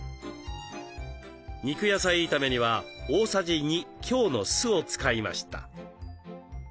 肉野菜炒めには大さじ２強の酢を使いました。